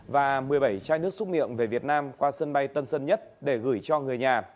và một mươi bảy chai nước xúc miệng về việt nam qua sân bay tân sơn nhất để gửi cho người nhà